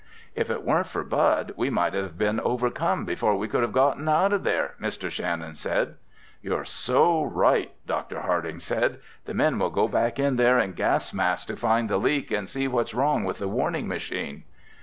"If it weren't for Bud we might have been overcome before we could have gotten out of there!" Mr. Shannon added. "You're so right!" Dr. Harding said. "The men will go back in there in gas masks to find the leak and see what's wrong with the warning machine."